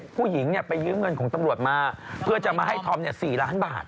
ผู้หญิงไปยืมเงินของตำรวจมาเพื่อจะมาให้ธอม๔ล้านบาท